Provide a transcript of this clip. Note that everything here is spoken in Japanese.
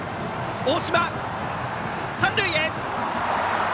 大島、三塁へ！